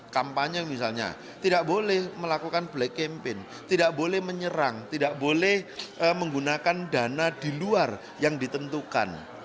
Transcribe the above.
kampanye misalnya tidak boleh melakukan black campaign tidak boleh menyerang tidak boleh menggunakan dana di luar yang ditentukan